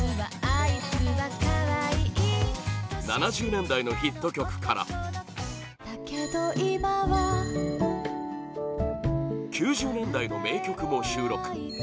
７０年代のヒット曲から９０年代の名曲も収録